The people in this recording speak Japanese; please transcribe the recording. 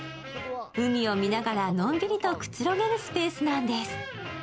海を見ながらのんびりとくつろげるスペースなんです。